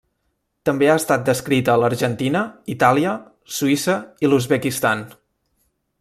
També ha estat descrita a l'Argentina, Itàlia, Suïssa i l'Uzbekistan.